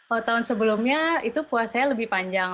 oh tahun sebelumnya itu puasanya lebih panjang